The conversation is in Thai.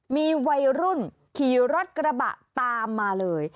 มีวัยรุ่นขี่รถกระบะตามมาเลย